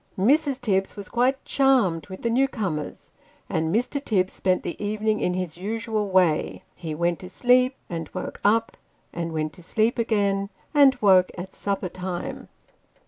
Mrs. Tibbs was quite charmed with the new comers ; and Mr. Tibbs spent the evening in his usual way he went to sleep, and woke up, and went to sleep again, and woke at supper time.